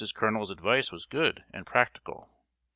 Colonel's advice was good and practical.